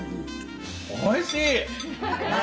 おいしい！